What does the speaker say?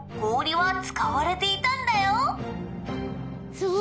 すごい。